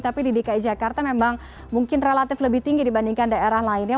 tapi di dki jakarta memang mungkin relatif lebih tinggi dibandingkan daerah lainnya